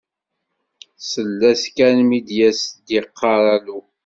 Tsell-as kan mi d as-d-yeqqar alu.